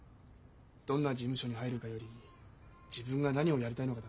どんな事務所に入るかより自分が何をやりたいのかだと思ってさ。